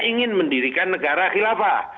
ingin mendirikan negara khilafah